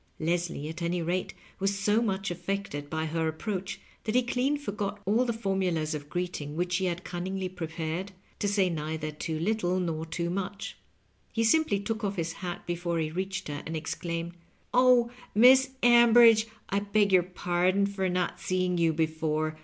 Leslie, at any rate, was so much affected by her approach that he clean forgot all the formulasof greeting which he had cunningly pi'epared to say neither too little nor too much. He simply took off his hat before he reached her, and exclaimed, "Oh, Miss Ambridge, I beg your^ pardon for not seeing you before.